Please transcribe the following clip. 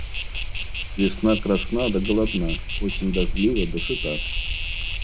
Весна красна, да голодна; осень дождлива, да сыта.